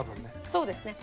そうですね。